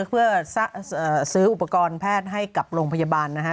เพื่อซื้ออุปกรณ์แพทย์ให้กับโรงพยาบาลนะฮะ